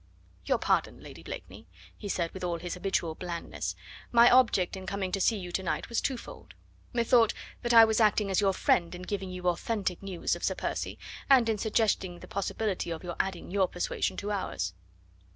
"Your pardon, Lady Blakeney," he said with all his habitual blandness; "my object in coming to see you tonight was twofold. Methought that I was acting as your friend in giving you authentic news of Sir Percy, and in suggesting the possibility of your adding your persuasion to ours."